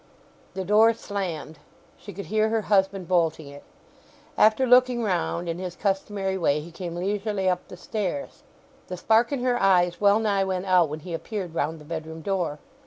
The door slammed; she could hear her husband bolting it. After looking round in his customary way he came leisurely up the stairs. The spark in her eyes well nigh went out when he appeared round the bedroom door.